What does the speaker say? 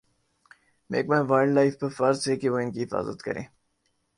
محکمہ wildlife پر فرض ہے کہ وہ ان کی حفاظت کریں